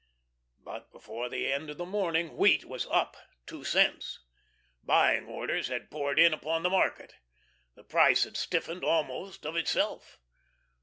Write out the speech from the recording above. But before the end of the morning wheat was up two cents. Buying orders had poured in upon the market. The price had stiffened almost of itself.